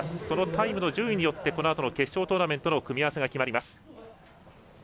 そのタイムの順位によりこのあとの決勝トーナメントの組み合わせが決まります。